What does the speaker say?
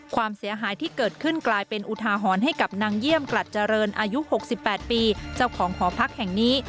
ความเสียหายที่เกิดขึ้นกลายเป็นอุทาหรณ์ให้กับนางเยี่ยมกลัดเจริญอายุ๖๘ปีเจ้าของหอพักแห่งนี้